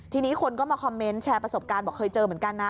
ทีนี้คนก็มาคอมเมนต์แชร์ประสบการณ์บอกเคยเจอเหมือนกันนะ